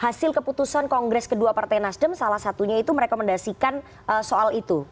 hasil keputusan kongres kedua partai nasdem salah satunya itu merekomendasikan soal itu